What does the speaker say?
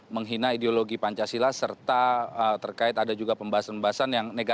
menghina ideologi pancang